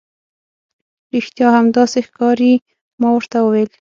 رښتیا هم، داسې ښکاري. ما ورته وویل.